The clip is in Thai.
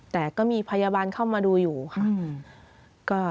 แต่ก็มีพยาบาลเข้ามาดูอยู่ค่ะ